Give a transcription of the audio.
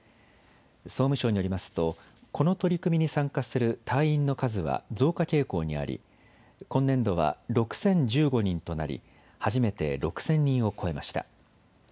総務省によりますとこの取り組みに参加する隊員の数は増加傾向にあり今年度は６０１５人となり初めて６０００人を超えました。